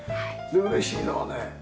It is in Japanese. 嬉しいのはね